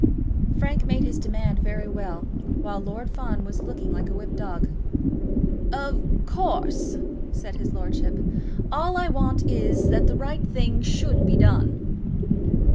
Frank made his demand very well, while Lord Fawn was looking like a whipped dog. "Of course," said his lordship, "all I want is, that the right thing should be done."